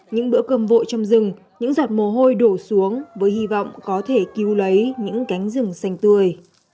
những bữa cơm vội trong rừng những giọt mồ hôi đổ xuống với hy vọng có thể cứu lấy những cánh rừng xanh tươi